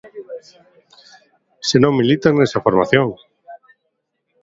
¡Se non militan nesa formación!